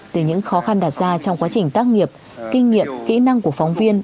từ những khó khăn đạt ra trong quá trình tác nghiệp kinh nghiệm kỹ năng của phóng viên